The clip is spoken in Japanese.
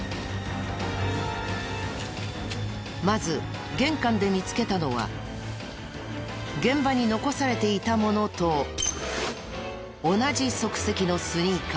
まず玄関で見つけたのは現場に残されていたものと同じ足跡のスニーカー。